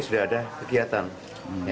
sudah ada kegiatan